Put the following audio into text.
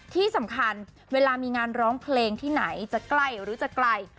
ที่สำคัญเวลามีงานร้องเพลงที่ไหนจะใกล้หรือจะไกล